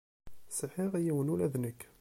Sεiɣ yiwen ula d nekk.